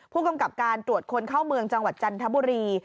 ผู้กำกับการตรวจคนเข้าเมืองจังหวัดจันทบุรี